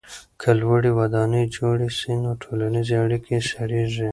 که لوړې ودانۍ جوړې سي نو ټولنیزې اړیکې سړېږي.